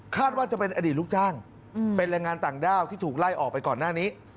ว่าจะเป็นอดีตลูกจ้างเป็นแรงงานต่างด้าวที่ถูกไล่ออกไปก่อนหน้านี้